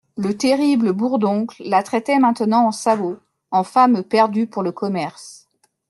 Le terrible Bourdoncle la traitait maintenant en sabot, en femme perdue pour le commerce.